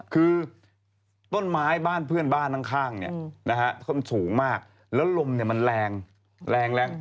คือต้นไม้บ้านเพื่อนบ้านข้างสูงมากแล้วลมมันแรงแรง